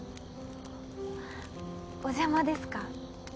お邪魔ですか？